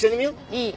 いい。